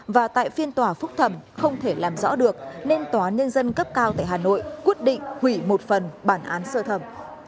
và tại phiên tòa phúc thẩm không thể làm rõ được nên tòa nhân dân cấp cao tại hà nội quyết định hủy một phần bản án sơ thẩm